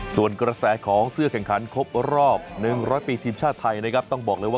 ส่วนกระแสของเสื้อแข่งขันครบรอบ๑๐๐ปีทีมชาติไทยนะครับต้องบอกเลยว่า